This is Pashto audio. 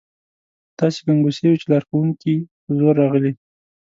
داسې ګنګوسې وې چې لارښوونکي په زور راغلي.